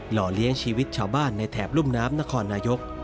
ห่อเลี้ยงชีวิตชาวบ้านในแถบรุ่มน้ำนครนายก